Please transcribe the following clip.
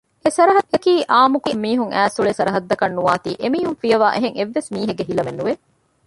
އެސަރަހައްދަކީ އާންމުކޮށް މީހުން އައިސްއުޅޭ ސަރަހައްދަކަށް ނުވާތީ އެމީހުން ފިޔަވާ އެހެން އެއްވެސް މީހެއްގެ ހިލަމެއް ނުވެ